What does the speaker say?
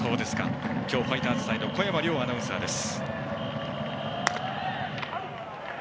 今日、ファイターズサイド小山凌アナウンサーです。